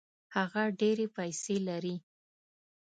هغه ډېري پیسې لري.